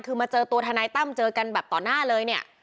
คือมาเจอตัวทนายตั้มเจอกันแบบต่อหน้าเลยเนี่ย